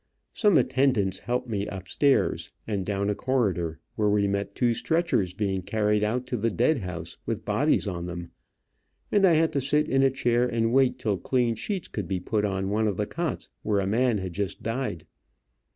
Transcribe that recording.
Some attendants helped me up stairs, and down a corridor, where we met two stretchers being carried out to the dead house with bodies on them, and I had to sit in a chair and wait till clean sheets could be put on one of the cots where a man had just died.